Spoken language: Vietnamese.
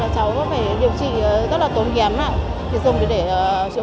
cháu phải điều trị rất là tốn ghém